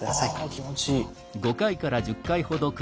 あ気持ちいい。